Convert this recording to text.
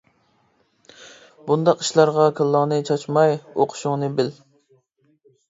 بۇنداق ئىشلارغا كاللاڭنى چاچماي ئوقۇشۇڭنى بىل.